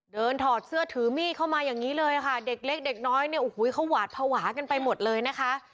ถอดเสื้อถือมีดเข้ามาอย่างนี้เลยค่ะเด็กเล็กเด็กน้อยเนี่ยโอ้โหเขาหวาดภาวะกันไปหมดเลยนะคะ